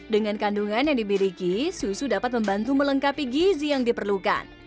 dengan kandungan yang dibiriki susu dapat membantu melengkapi gizi yang diperlukan